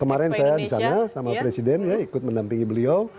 kemarin saya di sana sama presiden ikut menampingi beliau